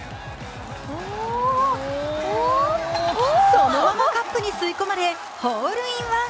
そのままカップに吸い込まれ、ホールインワン！